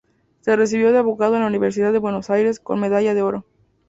Se recibió de Abogado en la Universidad de Buenos Aires con medalla de oro.